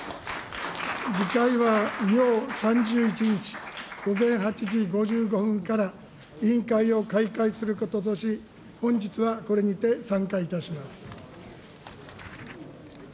次会は明３１日午前８時５５分から、委員会を開会することとし、本日はこれにて散会いたします。